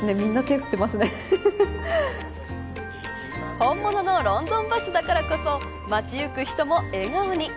本物のロンドンバスだからこそ街ゆく人も笑顔に。